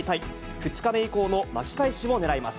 ２日目以降の巻き返しを狙います。